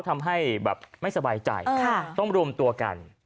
ทำให้แบบไม่สบายใจต้องรวมตัวกัน